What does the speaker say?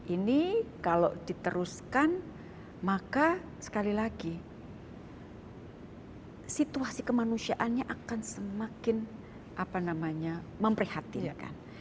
ini kalau diteruskan maka sekali lagi situasi kemanusiaannya akan semakin memprihatinkan